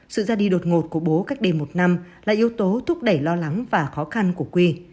sự ra đi đột ngột của bố cách đây một năm là yếu tố thúc đẩy lo lắng và khó khăn của quy